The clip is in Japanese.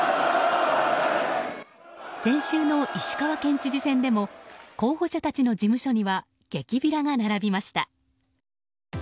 先週の石川県知事選でも候補者たちの事務所には檄ビラが並びました。